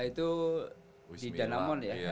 itu di danamon ya